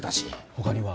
他には？